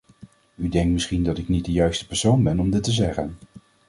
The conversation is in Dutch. U denkt misschien dat ik niet de juiste persoon ben om dit te zeggen.